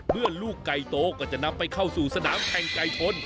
ลูกไก่โตก็จะนำไปเข้าสู่สนามแข่งไก่ชน